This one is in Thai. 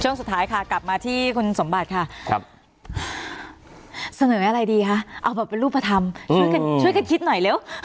ช่วงสุดท้ายค่ะกลับมาที่คุณสมบัติค่ะครับเสนออะไรดีคะเอาแบบเป็นรูปธรรมช่วยกันช่วยกันคิดหน่อยเร็ว